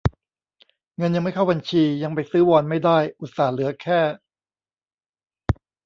เงินยังไม่เข้าบัญชี ยังไปซื้อวอนไม่ได้ อุตส่าห์เหลือแค่